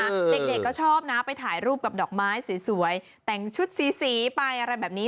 เด็กเด็กก็ชอบนะไปถ่ายรูปกับดอกไม้สวยแต่งชุดสีสีไปอะไรแบบนี้